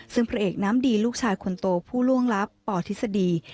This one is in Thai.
ซึ่งพระเอกน้ำดีลูกชายคนโตผู้ล่วงลับปทฤษฎี